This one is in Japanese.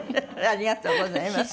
ありがとうございます。